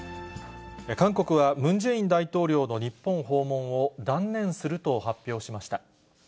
韓国はムン・ジェイン大統領の日本訪問を断念すると発表しました。